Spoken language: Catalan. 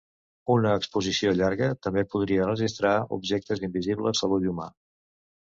Una exposició llarga també podria registrar objectes invisibles a l'ull humà.